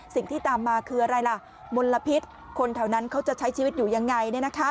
สิ่งที่ตามมาคืออะไรล่ะมลพิษคนแถวนั้นเขาจะใช้ชีวิตอยู่ยังไง